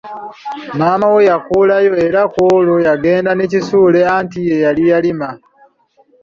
Maama we yakuulayo era ku olwo yagenda ne Kisuule anti yeyali yalima.